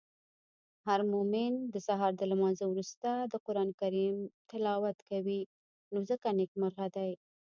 هرمومن د سهار د لمانځه وروسته د قرانکریم تلاوت کوی نو ځکه نیکمرغه دی.